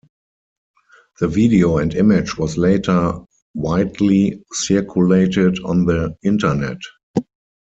The video and image was later widely circulated on the internet.